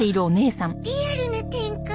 リアルな展開。